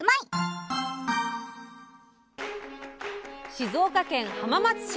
静岡県浜松市。